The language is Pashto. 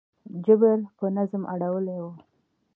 جبیر په نظم اړولې وه.